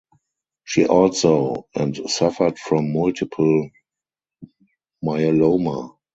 She also and suffered from multiple myeloma.